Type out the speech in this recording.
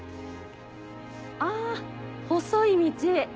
あ細い道。